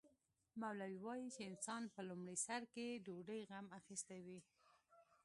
مولوي وايي چې انسان په لومړي سر کې ډوډۍ غم اخیستی وي.